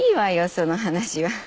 その話は。